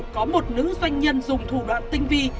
có một nữ doanh nhân dùng thủ đoạn tinh vi